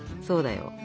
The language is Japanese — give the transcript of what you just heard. そうだよ。